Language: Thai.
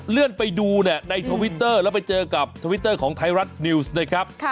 เลื่อนไปดูในทวิตเตอร์แล้วไปเจอกับทวิตเตอร์ของไทยรัฐนิวส์นะครับ